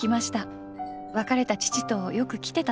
別れた父とよく来てたと。